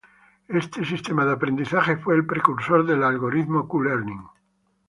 Este sistema de aprendizaje fue el precursor del algoritmo Q-learning.